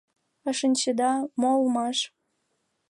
А шинчеда, мо улмаш?